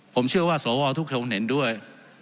ผมเชื่อว่าสวทุกคนเห็นด้วย